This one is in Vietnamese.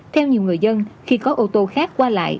theo nhiều người dân khi có ô tô khác qua lại